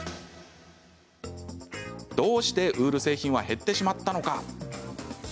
どうしてウール製品は減ってしまったのか？